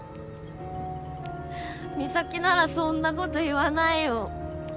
美咲ならそんなこと言わないよ。